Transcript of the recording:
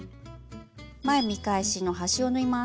前見返しの端を縫います。